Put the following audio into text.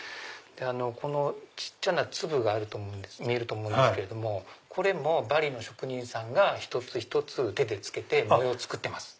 この小っちゃな粒が見えると思うんですけどこれもバリの職人さんが一つ一つ手で付けて模様を作ってます。